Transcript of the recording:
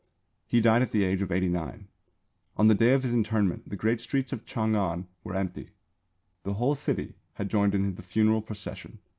He died at the age of 89. On the day of his interment the great streets of Ch'ang an were empty. The whole city had joined in the funeral procession.